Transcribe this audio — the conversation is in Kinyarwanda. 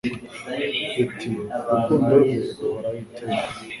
iti Urukundo rwe ruhoraho iteka